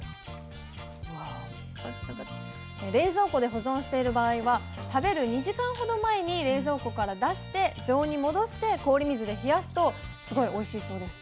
冷蔵庫で保存している場合は食べる２時間ほど前に冷蔵庫から出して常温に戻して氷水で冷やすとすごいおいしいそうです。